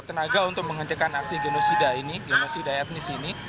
kita akan berusaha untuk mengencetkan aksi genosida etnis ini